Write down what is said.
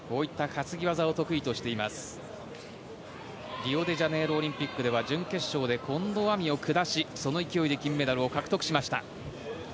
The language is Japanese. リオデジャネイロオリンピックでは準決勝で近藤亜美を下しその勢いで金メダルを獲得しました。